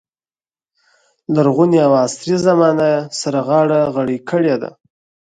لرغونې او عصري زمانه یې سره غاړه غړۍ کړې دي.